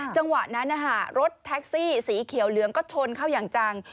จังหวะนั้นรถแท็กซี่สีเขียวเหลืองก็ชนเข้าอย่างจัง